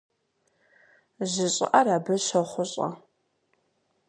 Жьы щӀыӀэр абы щохъущӀэ.